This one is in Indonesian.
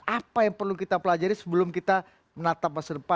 apa yang perlu kita pelajari sebelum kita menatap masa depan